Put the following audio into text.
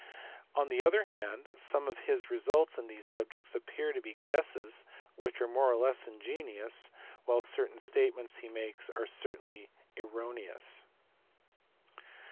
On the other hand some of his results in these subjects appear to be guesses which are more or less ingenious, while certain statements he makes are certainly erroneous.